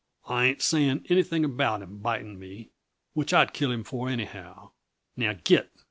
I ain't saying anything about him biting me which I'd kill him for, anyhow. Now, git!